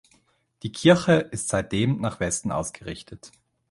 Die Kirche ist seitdem nach Westen ausgerichtet.